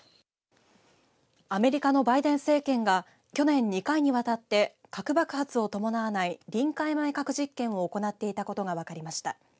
アメリカのバイデン政権が去年２回にわたって核爆発を伴わない臨界前核実験を行っていたことが分かりました。